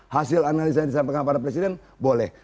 hasil analisa yang disampaikan pada presiden boleh